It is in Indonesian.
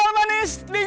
jendal manis dingin